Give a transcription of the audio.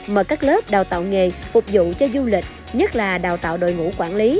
mở các lớp đào tạo nghề phục vụ cho du lịch nhất là đào tạo đội ngũ quản lý